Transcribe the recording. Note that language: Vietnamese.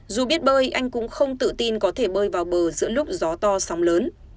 dù biết bơi anh cũng không tự tin có thể bơi vào bờ giữa lúc gió to sóng lớn